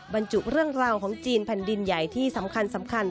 บรรจุเรื่องราวของจีนแผ่นดินใหญ่ที่สำคัญ